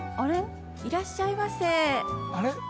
いらっしゃいませ。